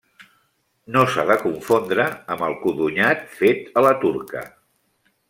No s'ha de confondre amb el codonyat fet a la turca.